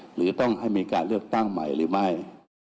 หรือต้องให้มีการเลือกตั้งใหม่หรือไม่